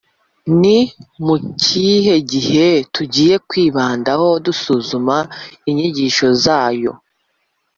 ni mu kihe gihe tugiye kwibandaho dusuzuma inyigisho zayo?